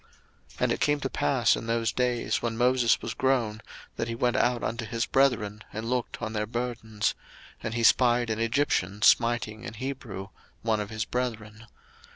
02:002:011 And it came to pass in those days, when Moses was grown, that he went out unto his brethren, and looked on their burdens: and he spied an Egyptian smiting an Hebrew, one of his brethren.